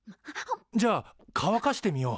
じゃあかわかしてみよう。